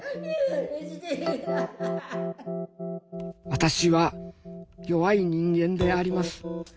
「私は弱い人間であります。